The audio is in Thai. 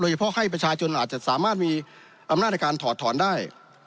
เฉพาะให้ประชาชนอาจจะสามารถมีอำนาจในการถอดถอนได้